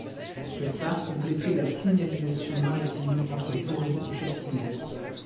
Ce phare complétait la signalisation maritime entre Pori et Kaskinen.